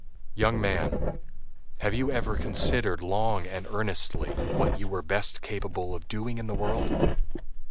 Young man, have you ever considered long and earnestly what you were best capable of doing in the world?